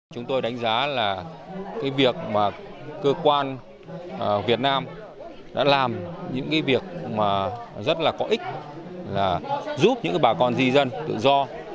chúng tôi đánh giá là cái việc mà cơ quan việt nam đã làm những cái việc mà rất là có ích là giúp những bà con di dân tự do